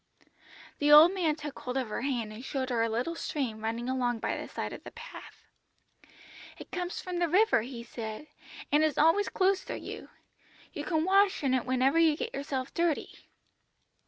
"The old man took hold of her hand and showed her a little stream running along by the side of the path. "'It comes from the river,' he said, 'and is always close to you. You can wash in it whenever you get yourself dirty.'